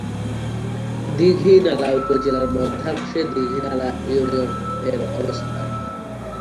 দীঘিনালা উপজেলার মধ্যাংশে দীঘিনালা ইউনিয়নের অবস্থান।